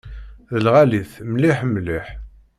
D lɛali-t mliḥ mliḥ.